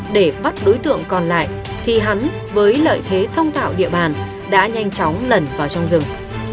để bắt đối tượng còn lại thì hắn với lợi thế thông tạo địa bàn đã nhanh chóng lẩn vào trong rừng